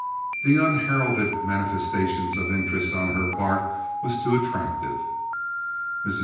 The unheralded manifestation of interest on her part was too attractive. Mrs.